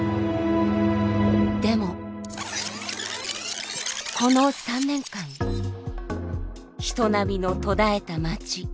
でもこの３年間人波の途絶えた街。